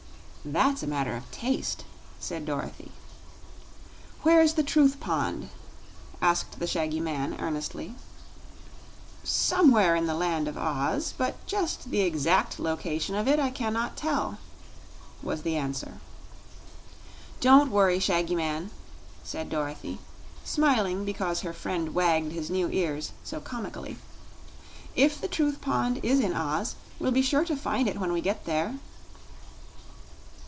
"That's a matter of taste," said Dorothy. "Where is the Truth Pond?" asked the shaggy man, earnestly. "Somewhere in the Land of Oz; but just the exact location of it I can not tell," was the answer. "Don't worry, Shaggy Man," said Dorothy, smiling because her friend wagged his new ears so comically. "If the Truth Pond is in Oz, we'll be sure to find it when we get there."